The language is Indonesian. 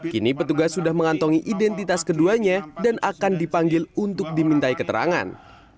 kini petugas sudah mengantongi identitas keduanya dan akan dipanggil untuk dimintai keterangan